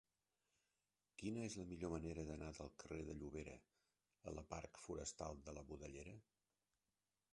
Quina és la millor manera d'anar del carrer de Llobera a la parc Forestal de la Budellera?